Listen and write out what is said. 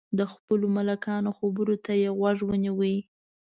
د خپلو ملکانو خبرو ته یې غوږ نیوی.